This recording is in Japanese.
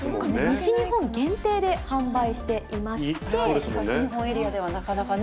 西日本限定で販売していまし東日本エリアではなかなかね。